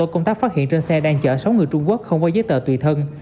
công tác phát hiện trên xe đang chở sáu người trung quốc không có giấy tờ tùy thân